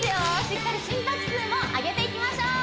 しっかり心拍数も上げていきましょう！